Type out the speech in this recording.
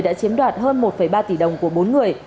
đã chiếm đoạt hơn một ba tỷ đồng của bốn người